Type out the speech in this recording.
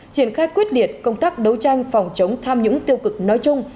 triển khai quyết liệt công tác đấu tranh phòng chống tham nhũng tiêu cực nói chung